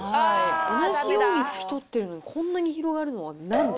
同じように拭き取ってるのに、こんなに広がるのはなんで？